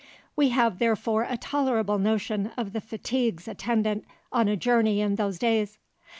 We have therefore a tolerable notion of the fatigues attendant on a journey in those days.